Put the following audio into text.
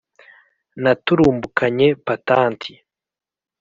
naturumbukanye patanti